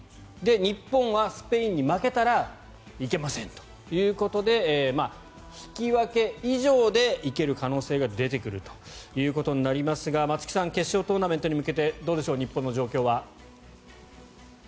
日本はスペインに負けたら行けませんということで引き分け以上で行ける可能性が出てくるということになりますが松木さん決勝トーナメントに向けてどうでしょう、日本の状況は。